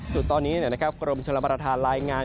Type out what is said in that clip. สุดตอนนี้นะครับกรมชนบรรทานรายงาน